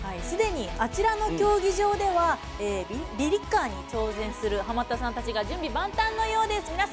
すでに、あちらの競技場ではビリッカーに挑戦するハマったさんたちが準備万端のようです。